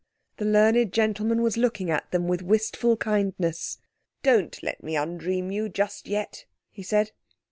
The learned gentleman was looking at them with wistful kindness. "Don't let me undream you just yet," he said.